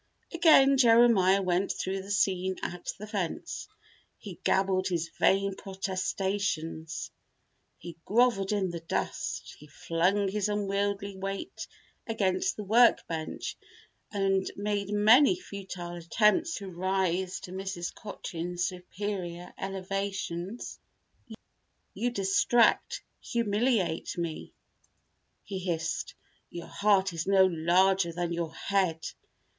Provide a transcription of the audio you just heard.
Again Jeremiah went through the scene at the fence. He gabbled his vain protestations. He groveled in the dust. He flung his unwieldly weight against the work bench and made many futile attempts to rise to Mrs. Cochin's superior elevation. "You distract, humiliate me," he hissed. "Your heart is no larger than your head.